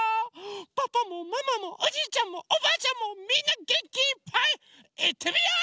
パパもママもおじいちゃんもおばあちゃんもみんなげんきいっぱいいってみよう！